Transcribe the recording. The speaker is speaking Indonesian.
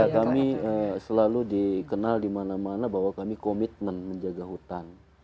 kami selalu dikenal dimana mana bahwa kami komitmen menjaga hutan